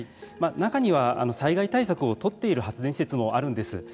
中には災害対策を取っている発電施設もあるんです。